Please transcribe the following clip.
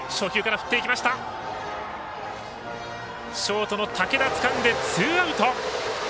ショートの武田つかんでツーアウト。